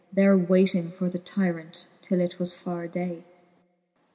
There wayting for the tyrant, till it was farre day, XIV.